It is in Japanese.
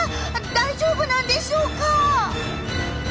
大丈夫なんでしょうか！？